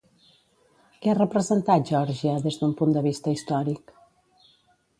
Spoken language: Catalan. Què ha representat Geòrgia des d'un punt de vista històric?